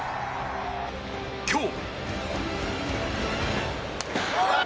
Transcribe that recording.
今日。